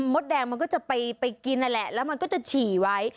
มดแดงมันก็จะไปกินนั่นแหละแล้วมันก็จะฉี่ไว้